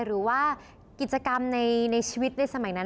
หรือว่ากิจกรรมในชีวิตในสมัยนั้น